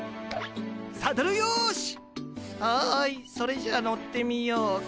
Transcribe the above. はいそれじゃあ乗ってみようか。